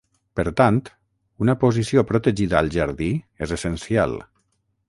Per tant, una posició protegida al jardí és essencial.